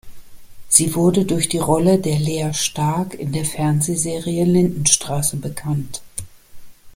Sie wurde durch die Rolle der "Lea Starck" in der Fernsehserie "Lindenstraße" bekannt.